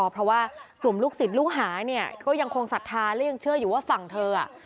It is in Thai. เพราะว่ากลุ่มลูกศิษย์ลูกหาเนี่ยก็ยังคงศรัทธาและยังเชื่ออยู่ว่าฝั่งเธออ่ะ